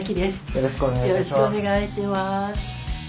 よろしくお願いします。